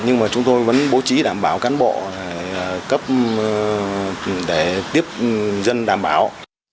nhưng mà chúng tôi vẫn bố trí đảm bảo cán bộ cấp để tiếp dân đảm bảo